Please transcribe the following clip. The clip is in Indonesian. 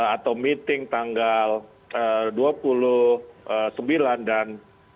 atau meeting tanggal dua puluh sembilan dan tiga puluh